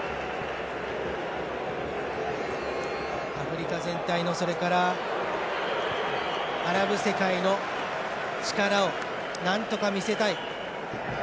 アフリカ全体のそれから、アラブ世界の力をなんとか見せたい。